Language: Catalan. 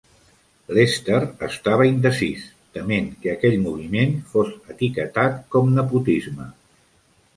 Lester estava indecís, tement que aquell moviment fos etiquetat com nepotisme.